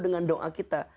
dengan doa kita